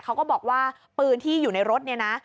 เขาก็บอกว่าปืนที่อยู่ในรถเนี่ยนะ